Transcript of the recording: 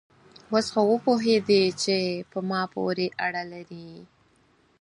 اوس خو وپوهېدې چې په ما پورې اړه لري؟